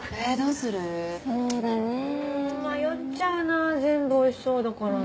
うん迷っちゃうな全部おいしそうだから。